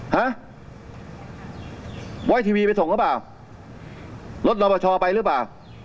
ฮะไว้ทีวีไปส่งหรือเปล่ารถนอปชไปหรือเปล่า